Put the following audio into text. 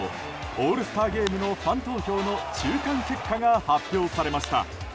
オールスターゲームのファン投票の中間結果が発表されました。